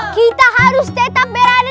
kita harus tetap berani